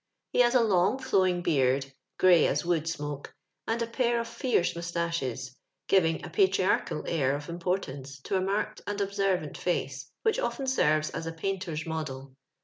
He has a long flowing beard, grey as wood smoke, and a pair of fierce moustaches, giving a patriarchal air of importance to a marked and observant face, which often serves as a painter's model.